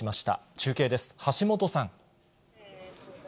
中継です、橋本さん。